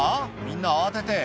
みんな慌てて」